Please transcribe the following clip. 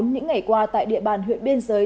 những ngày qua tại địa bàn huyện biên giới